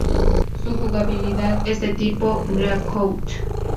Su jugabilidad es de tipo Breakout.